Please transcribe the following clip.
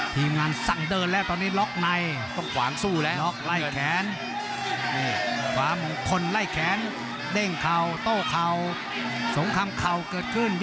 ทีมงานสั่งเดินแล้วตอนนี้ล็อกไหน